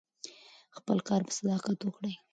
خپل کار په صداقت وکړئ.